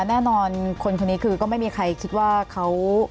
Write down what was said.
แน่นอนคนคนนี้คือก็ไม่มีใครคิดว่าเขา